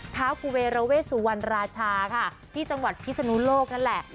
เท้ากุเวรเวสุวรรณราชาค่ะที่จังหวัดพิศนุโลกนั่นแหละ